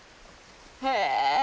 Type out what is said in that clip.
へえ。